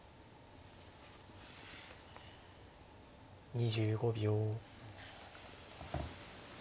２５秒。